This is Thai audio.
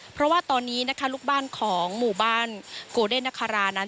เพราะว่าตอนนี้นะคะลูกบ้านของหมู่บ้านโกเดนคารานั้น